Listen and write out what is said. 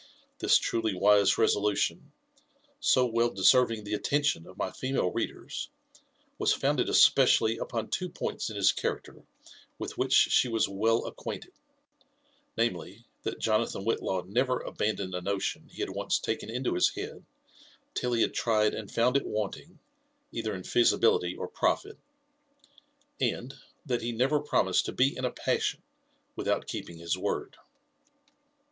This truly wise resolution, so well deserving the attention of my female readers, was founded especially upon two points in his character with which she was well acquainted : namely, that Jonathan Whitlaw never abandoned a notion he had once taken into his head, till he had tried, and found it wanting either in feasibility or profit; and that he never promised to be in a passion without keeping his word.